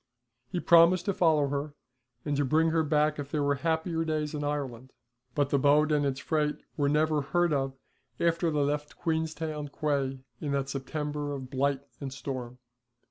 He promised to follow her and bring her back if there were happier days in Ireland, but the boat and its freight were never heard of after they left Queenstown quay in that September of blight and storm.